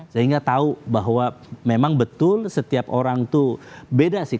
sehingga tahu bahwa memang betul setiap orang itu beda sih